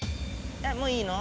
もういいの？